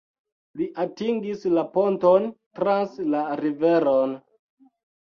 Li atingis la ponton trans la riveron.